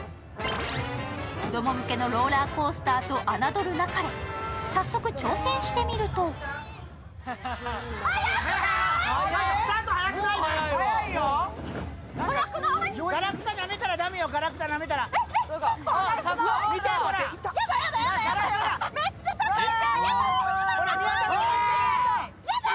子供向けのローラーコースターとあなどるなかれ、早速挑戦してみるとやだやだ、めっちゃ高い。